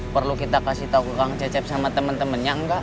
perlu kita kasih tahu ke kang cecep sama temen temennya enggak